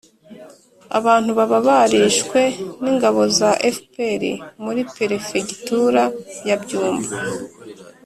abantu baba barishwe n'ingabo za fpr muri perefegitura ya byumba.